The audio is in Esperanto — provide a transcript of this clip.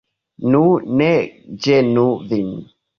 Nu, ne ĝenu vin!